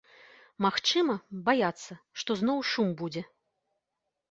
Магчыма, баяцца, што зноў шум будзе.